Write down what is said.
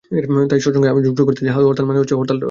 তাই তৎসঙ্গে আমি যোগ করতে চাই, হরতাল মানে হচ্ছে তাল হরণ করা।